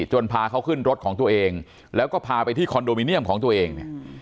จนพาเขาขึ้นรถของตัวเองแล้วก็พาไปที่คอนโดมิเนียมของตัวเองเนี่ย